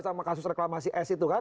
sama kasus reklamasi s itu kan